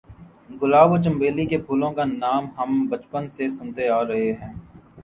گلاب اور چنبیلی کے پھولوں کا نام ہم بچپن سے سنتے آ رہے ہیں۔